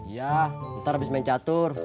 iya ntar habis main catur